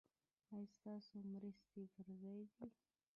ایا ستاسو مرستې پر ځای دي؟